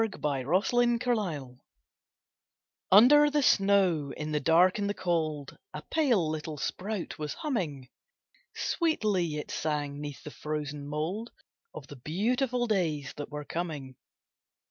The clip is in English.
THE TENDRIL'S FATE Under the snow, in the dark and the cold, A pale little sprout was humming; Sweetly it sang, 'neath the frozen mould, Of the beautiful days that were coming.